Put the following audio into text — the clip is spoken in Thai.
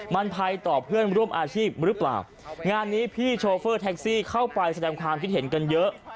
มันภัยต่อเพื่อนร่วมอาชีพหรือเปล่างานนี้พี่โชเฟอร์แท็กซี่เข้าไปแสดงความคิดเห็นกันเยอะ